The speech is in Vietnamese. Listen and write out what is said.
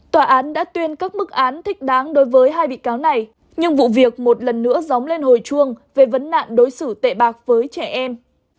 tòa án đã tuyên các mức án thích đáng đối với hai bị cáo này nhưng vụ việc một lần nữa dóng lên hồi chuông về vấn nạn đối xử tệ bạc với trẻ em